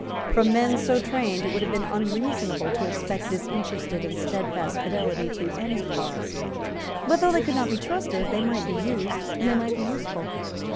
From men so trained it would have been unreasonable to expect disinterested and stedfast fidelity to any cause. But though they could not be trusted, they might be used and they might be useful.